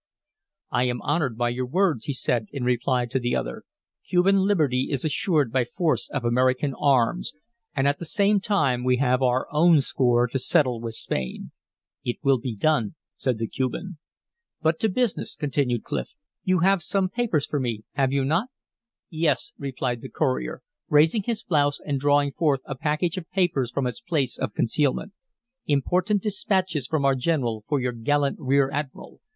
"I am honored by your words," he said, in reply to the other. "Cuban liberty is assured by force of American arms, and at the same time we have our own score to settle with Spain." "It will be done," said the Cuban. "But to business," continued Clif. "You have some papers for me, have you not?" "Yes," replied the courier, raising his blouse and drawing forth a package of papers from its place of concealment. "Important dispatches from our general for your gallant rear admiral.